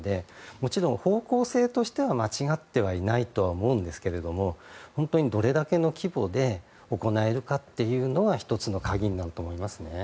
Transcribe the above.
もちろん方向性としては間違っていないと思うんですがどれだけの規模で行えるかというのが１つの鍵になると思いますね。